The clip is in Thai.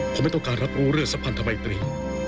ผมไม่ต้องการรับรู้เรื่องสัมพันธมัยตรี